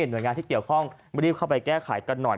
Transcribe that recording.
หน่วยงานที่เกี่ยวข้องรีบเข้าไปแก้ไขกันหน่อย